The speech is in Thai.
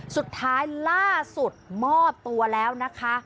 สุดท้ายล่าสุดมอบตัวแล้วนะคะ